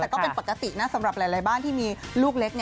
แต่ก็เป็นปกตินะสำหรับหลายบ้านที่มีลูกเล็ก